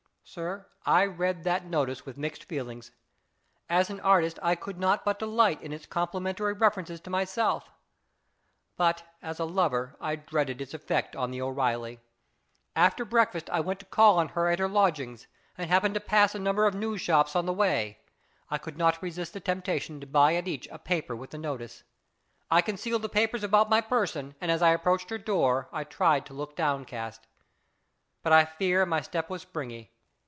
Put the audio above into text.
Sir, I read that notice with mixed feelings. As an artist I could not but delight in its complimentary references to myself, but as a lover I dreaded its effect on the O'Eeilly. After breakfast I went to call on 268 IS IT A MAN? her at her lodgings, and happening to pass a number of news shops on the way, I could not resist the temptation to buy at each a paper with the notice. I concealed the papers about my person, and as I approached her door I tried to look downcast. But I fear my step was springy.